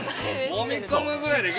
◆もみ込むぐらい、できる。